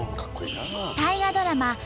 大河ドラマ